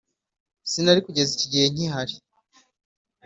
Sinari kugeze iki gihe nkihari